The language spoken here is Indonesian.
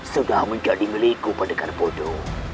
sudah menjadi milikku pada karbodo